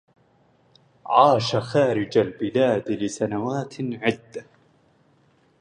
عاش خارج البلاد لسنوات عدة.